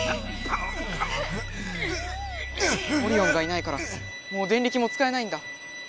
オリオンがいないからもうデンリキもつかえないんだ。